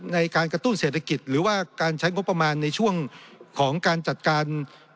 ในการกระตุ้นเศรษฐกิจหรือว่าการใช้งบประมาณในช่วงของการจัดการ